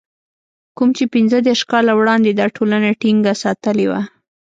کوم چې پنځه دېرش کاله وړاندې دا ټولنه ټينګه ساتلې وه.